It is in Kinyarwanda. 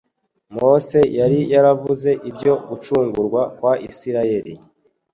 Mose yari yaravuze ibyo gucungurwa kwa Isirayeli.